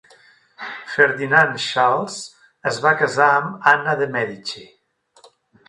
Ferdinand Charles es va casar amb Anna de' Medici.